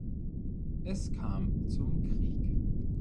Es kam zum Krieg.